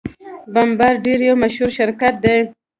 بمبارډیر یو مشهور شرکت دی.